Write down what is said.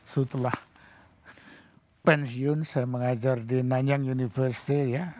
setelah pensiun saya mengajar di nanyang university ya